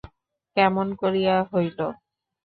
কেমন করিয়া হইল?